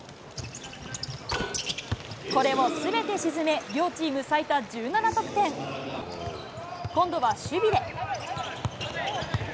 これをすべて沈め、両チーム最多１７得点。今度は守備で。